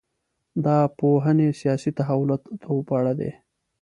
دا پوهنې سیاسي تحولاتو په اړه دي.